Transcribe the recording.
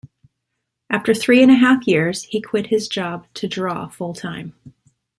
After three and a half years, he quit his job to draw full-time.